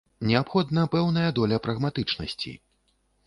Неабходна пэўная доля прагматычнасці.